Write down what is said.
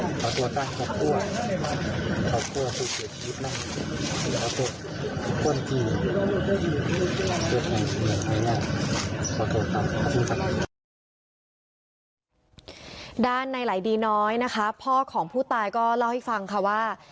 ด้านในไหลดีน้อยนะคะพ่อของผู้ตายก็เล่าให้ฟังค่ะว่า